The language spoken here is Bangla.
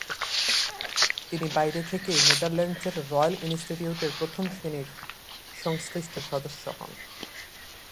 তিনি বাহিরে থেকেই নেদারল্যান্ডসের রয়েল ইনস্টিটিউটের প্রথম শ্রেণীর সংশ্লিষ্ট সদস্য হন।